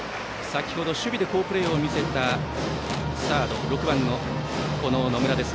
先程守備で好プレーを見せたサード、６番の野村。